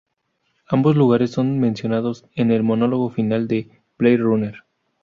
Ambos lugares son mencionados en el monólogo final de "Blade Runner".